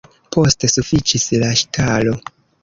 Poste sufiĉis la ŝtalo.